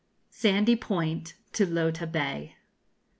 SANDY POINT TO LOTA BAY.